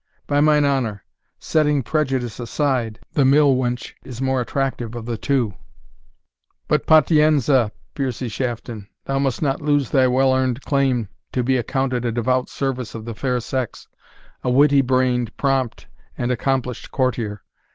By mine honour, setting prejudice aside, the mill wench is the more attractive of the two But patienza, Piercie Shafton; thou must not lose thy well earned claim to be accounted a devout servant of the fair sex, a witty brained, prompt, and accomplished courtier.